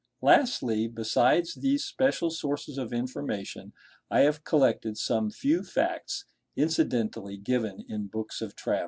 Lastly, besides these special sources of information, I have collected some few facts incidentally given in books of travels.